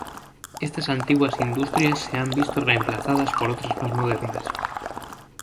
Estas antiguas industrias se han visto remplazadas por otras más modernas.